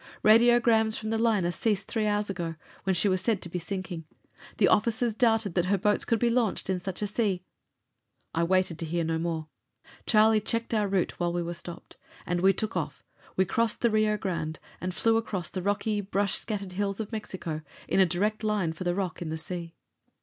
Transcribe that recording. Radiograms from the liner ceased three hours ago, when she was said to be sinking. The officers doubted that her boats could be launched in such a sea " I waited to hear no more. Charlie checked our route while we were stopped. And we took off; we crossed the Rio Grande and flew across the rocky, brush scattered hills of Mexico, in a direct line for the rock in the sea.